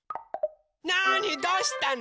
なあにどうしたの？